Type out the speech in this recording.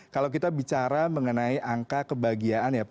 kalau kita bicara mengenai angka kebahagiaan ya pak